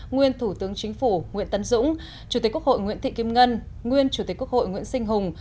nguyên thủ tướng chính phủ nguyễn tân dũng chủ tịch quốc hội nguyễn thị kim ngân nguyên chủ tịch quốc hội nguyễn sinh hùng